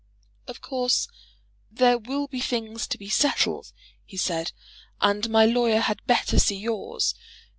"Of course there will be things to be settled," he said, "and my lawyer had better see yours.